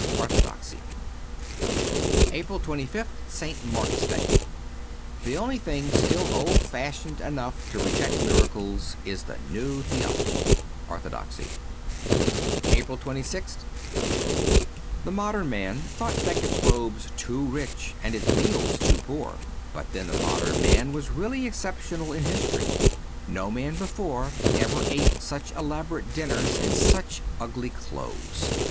' Orthodoxy: 124 APRIL 25th ST MARK'S DAY THE only thing still old fashioned enough to reject miracles is the New Theology. ' Orthodoxy.' "5 APRIL 26th THE modern man thought Becket's robes too rich and his meals too poor. But then the modern man was really excep tional in history ; no man before ever ate such elaborate dinners in such ugly clothes.